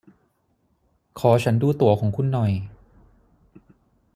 ขอฉันดูตั๋วของคุณหน่อย